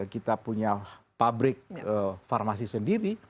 kita punya pabrik farmasi sendiri